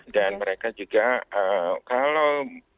dan mereka juga kalau